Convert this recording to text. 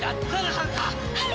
はい！